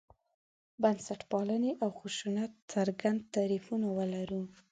بنسټپالنې او خشونت څرګند تعریفونه ولرو.